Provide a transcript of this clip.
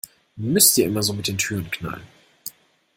Müsst ihr immer so mit den Türen knallen?